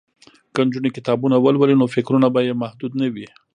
که نجونې کتابونه ولولي نو فکرونه به یې محدود نه وي.